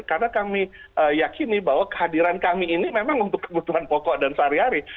karena kami yakini bahwa kehadiran kami ini memang untuk kebutuhan pokok dan sehari hari